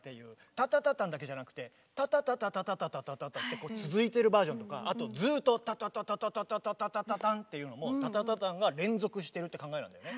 タタタタンだけじゃなくてタタタタタタタタタタタタってあとずっとタタタタタタタタタタタタンっていうのもタタタタンが連続してるって考えなんだよね。